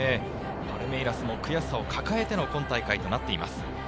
パルメイラスも悔しさを抱えての今大会となっています。